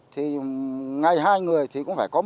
thì ngày hai người thì cũng không có nước